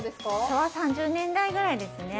昭和３０年代ぐらいですね。